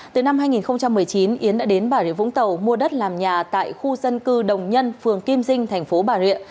từ năm hai nghìn một mươi chín yến đã đến bà rịa vũng tàu mua đất làm nhà tại khu dân cư đồng nhân phường kim dinh thành phố bà rịa